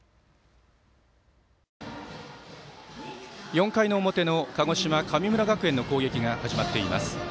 ４回の表の鹿児島、神村学園の攻撃が始まっています。